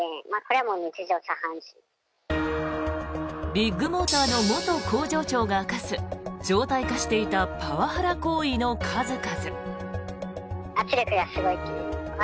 ビッグモーターの元工場長が明かす常態化していたパワハラ行為の数々。